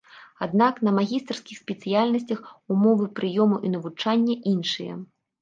Аднак на магістарскіх спецыяльнасцях умовы прыёму і навучання іншыя.